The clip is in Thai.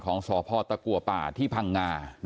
ของสพตะกูบ่าที่พังง่านะฮะ